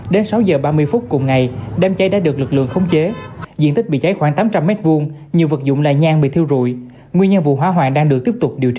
đến sáu giờ ba mươi phút cùng ngày đám cháy đã được lực lượng khống chế diện tích bị cháy khoảng tám trăm linh m hai nhiều vật dụng là nhan bị thiêu rụi nguyên nhân vụ hỏa hoạn đang được tiếp tục điều tra